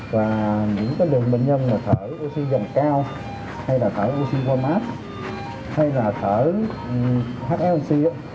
và những cái lượng bệnh nhân thở oxy dòng cao hay là thở oxy format hay là thở hlc